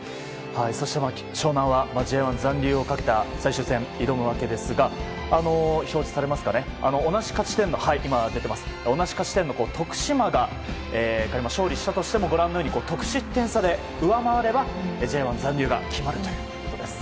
そして、湘南はＪ１残留をかけた最終戦を挑むわけですが同じ勝ち点の徳島が勝利したとしても、ご覧のように得失点差で上回ればＪ１残留が決まるということです。